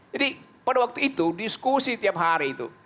jadi pada waktu itu diskusi tiap hari itu